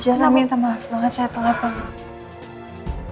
jasa minta maaf banget saya telat banget